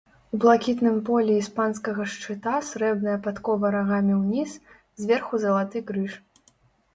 У блакітным полі іспанскага шчыта срэбная падкова рагамі ўніз, зверху залаты крыж.